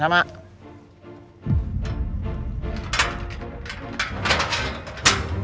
paket makanan buat bu andin